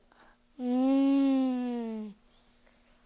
うん。